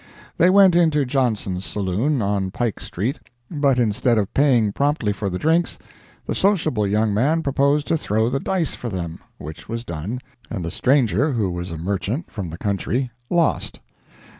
They went into Johnson's saloon, on Pike street, but instead of paying promptly for the drinks, the sociable young man proposed to throw the dice for them, which was done, and the stranger who was a merchant, from the country, lost.